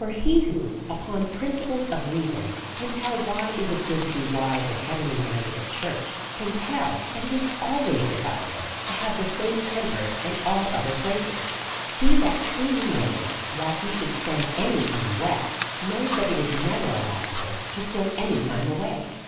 For he who, upon principles of reason^ can tell why it is good to be wise and heaven ly minded at church, can tell that it is always desirable to have the same tempers in all other places. He that truly knows why he should spend any time well, knows that it is never allowable to throw any time away.